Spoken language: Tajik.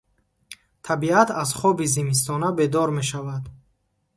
Табиат аз хоби зимистона бедор мешавад.